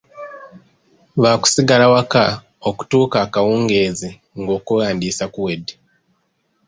Baakusigala waka okutuuka akawungeezi ng'okwewandiisa kuwedde.